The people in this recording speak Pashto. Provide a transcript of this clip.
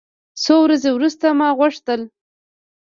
څو ورځې وروسته ما غوښتل.